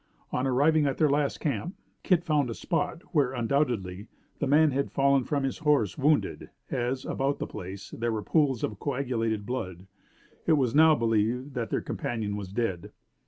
On arriving at their last camp, Kit found a spot where, undoubtedly, the man had fallen from his horse wounded, as, about the place, there were pools of coagulated blood. It was now believed that their companion was dead.